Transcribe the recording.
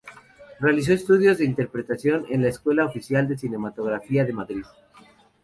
Realizó estudios de interpretación en la Escuela Oficial de Cinematografía de Madrid.